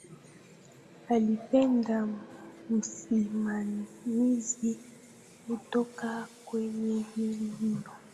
alimpenda msimamizi kutoka kwenye meli hiyo